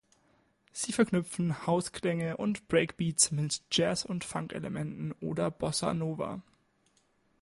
Sie verknüpfen House-Klänge und Break-Beats mit Jazz- und Funk-Elementen oder Bossa Nova.